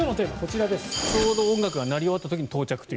ちょうど音楽が鳴り終わった時に到着と。